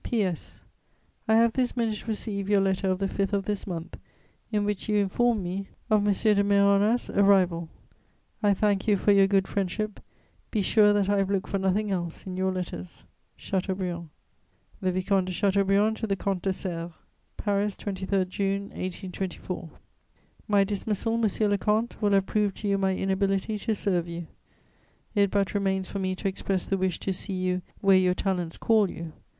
"P.S. I have this minute received your letter of the 5th of this month, in which you inform me of M. de Mérona's arrival. I thank you for your good friendship; be sure that I have looked for nothing else in your letters. "CHATEAUBRIAND." THE VICOMTE DE CHATEAUBRIAND TO THE COMTE DE SERRE "PARIS, 23 June 1824. "My dismissal, monsieur le comte, will have proved to you my inability to serve you; it but remains for me to express the wish to see you where your talents call you.